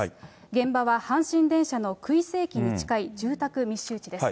現場は、阪神電車のくいせ駅に近い住宅密集地です。